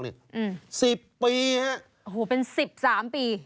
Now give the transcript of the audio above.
๑๐ปีครับเป็น๑๓ปี